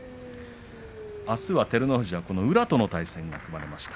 あすは照ノ富士は宇良との対戦が組まれました。